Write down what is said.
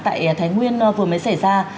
tại thái nguyên vừa mới xảy ra